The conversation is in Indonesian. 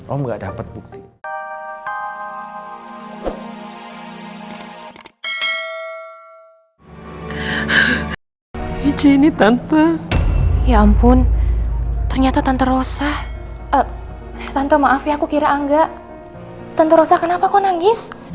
om gak dapat bukti